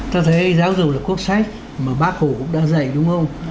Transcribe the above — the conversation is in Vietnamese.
thật thế giáo dục là quốc sách mà bác hồ cũng đã dạy đúng không